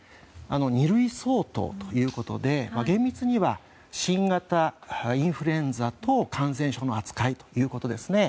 ２類相当ということで厳密に言えば新型インフルエンザ等感染症の扱いということですね。